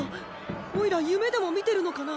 おいら夢でも見てるのかな？